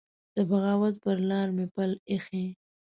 د بغاوت پر لار مي پل يښی